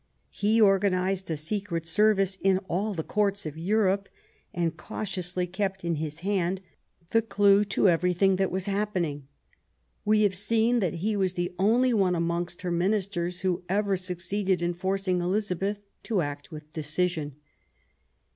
He organised a secret service in all the Courts of Europe, and cautiously kept in his hand the clue to everything that was happening. 250 QUEEN ELIZABETH. We have seen that he was the only one amongst her ministers who ever succeeded in forcing Elizabeth to act with decision.